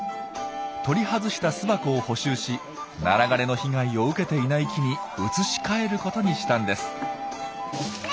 取り外した巣箱を補修しナラ枯れの被害を受けていない木に移し替えることにしたんです。